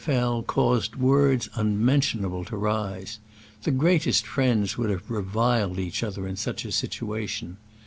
87 fell, caused words unmentionable to rise. The greatest friends would have reviled each other in such a situation.